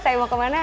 saya mau kemana